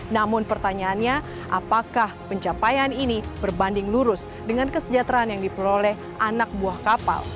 namun pertanyaannya apakah pencapaian ini berbanding lurus dengan kesejahteraan yang diperoleh anak buah kapal